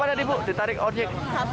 berapa tadi bu di tarik ojek